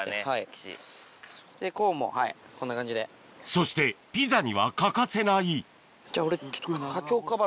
そしてピザには欠かせないじゃあ俺ちょっと。